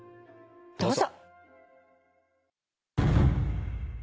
どうぞ。